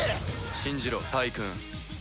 信じろタイクーン。